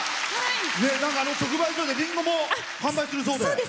直売所でリンゴも販売するそうで。